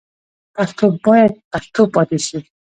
پښتو باید پښتو پاتې شي.